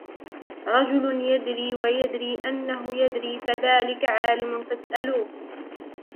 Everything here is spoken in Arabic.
رَجُلٌ يَدْرِي وَيَدْرِي أَنَّهُ يَدْرِي فَذَلِكَ عَالِمٌ فَاسْأَلُوهُ